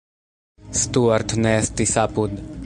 Stuart ne estis apud.